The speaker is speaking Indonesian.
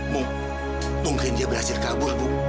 mungkin dia berhasil kabur bu